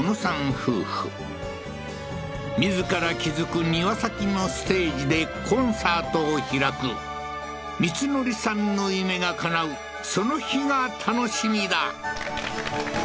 夫婦自ら築く庭先のステージでコンサートを開く光則さんの夢がかなうその日が楽しみだ